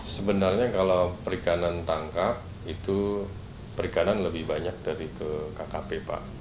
sebenarnya kalau perikanan tangkap itu perikanan lebih banyak dari ke kkp pak